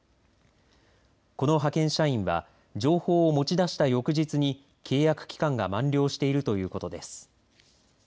この派遣社員は情報を持ち出した翌日に契約期間が満了しているということです。